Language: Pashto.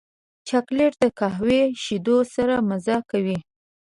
چاکلېټ د قهوې شیدو سره مزه کوي.